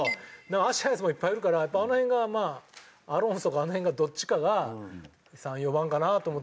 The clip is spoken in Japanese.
足速いヤツもいっぱいいるからあの辺がまあアロンソかあの辺がどっちかが３４番かなあと思った。